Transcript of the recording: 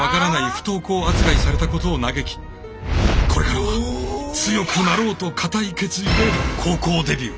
不登校扱いされたことを嘆きこれからは強くなろうと固い決意で高校デビュー。